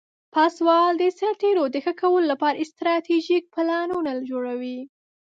پاسوال د سرتیرو د ښه کولو لپاره استراتیژیک پلانونه جوړوي.